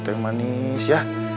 teng manis ya